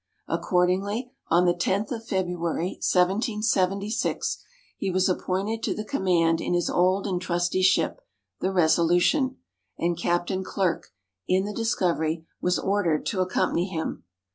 Accordingly, on the loth of February, 1776, he was appointed to the command in his old and trusty ship, the Resolution, and Captain Clerke, in the Discovery, was ordered to accompany him.